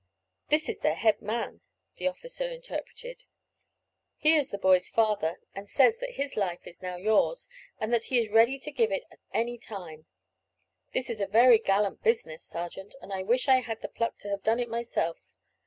"This is their head man," the officer interpreted; "he is the boy's father, and says that his life is now yours, and that he is ready to give it at any time. This is a very gallant business, sergeant, and I wish I had the pluck to have done it myself.